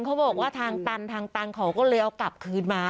เขาบอกว่าทางตันทางตันเขาก็เลยเอากลับคืนมา